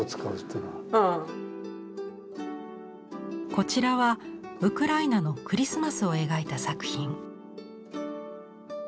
こちらはウクライナのクリスマスを描いた作品。